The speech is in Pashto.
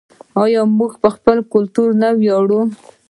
آیا موږ په خپل کلتور نه ویاړو؟